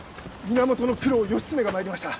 源九郎義経が参りました。